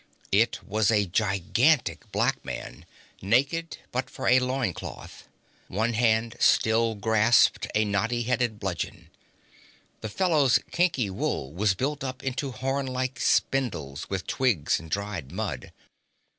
It was a gigantic black man, naked but for a loin cloth. One hand still grasped a knotty headed bludgeon. The fellow's kinky wool was built up into horn like spindles with twigs and dried mud.